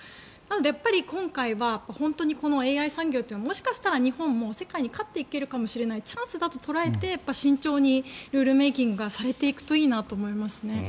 やっぱり今回はＡＩ産業はもしかしたら日本も世界に勝っていけるかもしれないチャンスだと捉えてルールメイキングされていくといいなと思いますね。